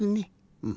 うん。